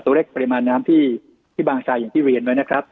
เล็กปริมาณน้ำที่บางทรายอย่างที่เรียนไว้นะครับ